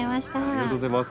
ありがとうございます。